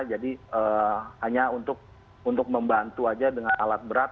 jadi hanya untuk membantu aja dengan alat berat